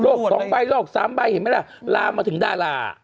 ลูกสองใบลูกสามใบเห็นไหมล่ะลามาถึงด้าล่า